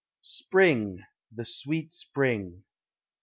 Spring! the sweet spring!